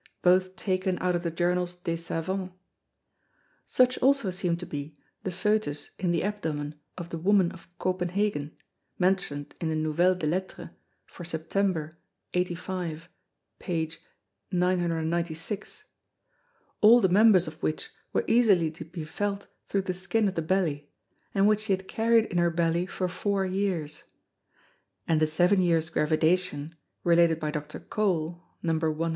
both taken out of the Journals des Savans: Such also seem to be the Fœtus in the Abdomen of the Woman of Copenhagen, mention'd in the Nouvelles des Lettres, for Sept. 85. pag. 996. all the Members of which were easily to be felt through the Skin of the Belly, and which she had carried in her Belly for four Years; and the seven Years Gravidation, related by Dr. Cole, Numb. 172.